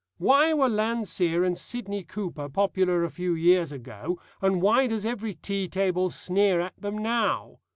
Why were Landseer and Sidney Cooper popular a few years ago, and why does every tea table sneer at them now?